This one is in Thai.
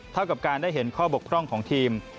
เท่ากับการได้เห็นข้อบกพร่องของทีม